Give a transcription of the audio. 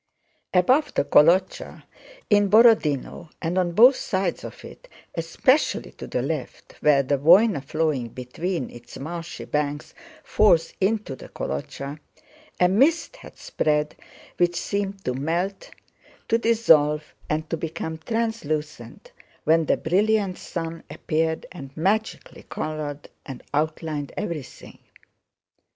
Above the Kolochá, in Borodinó and on both sides of it, especially to the left where the Vóyna flowing between its marshy banks falls into the Kolochá, a mist had spread which seemed to melt, to dissolve, and to become translucent when the brilliant sun appeared and magically colored and outlined everything.